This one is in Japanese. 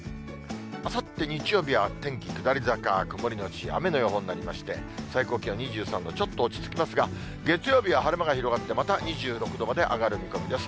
あさって日曜日は天気下り坂、曇り後雨の予報になりまして、最高気温２３度、ちょっと落ち着きますが、月曜日は晴れ間が広がって、また２６度まで上がる見込みです。